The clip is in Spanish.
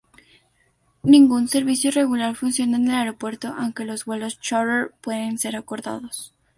Ningún servicio regular funciona en el aeropuerto, aunque los vuelos chárter pueden ser acordados.